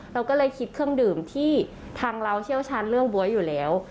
เราก็เลยคิดเครื่องดื่มที่ทางเราเชี่ยวชาญเรื่องบ๊วยอยู่แล้ว